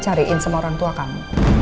cariin semua orang tua kamu